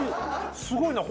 すごいな。